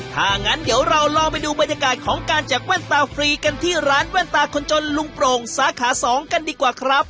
ถ้างั้นเดี๋ยวเราลองไปดูบรรยากาศของการแจกแว่นตาฟรีกันที่ร้านแว่นตาคนจนลุงโปร่งสาขา๒กันดีกว่าครับ